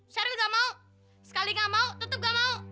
sheryl gak mau sekali gak mau tetap gak mau